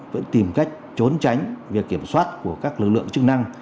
vẫn tìm cách trốn tránh việc kiểm soát của các lực lượng chức năng